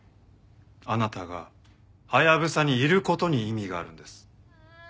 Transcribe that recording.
あなたがハヤブサにいる事に意味があるんです。